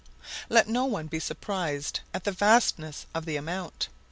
Let no one be surprised at the vastness of the amount.